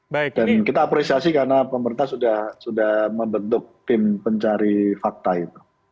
dan kita apresiasi karena pemerintah sudah membentuk tim pencari fakta itu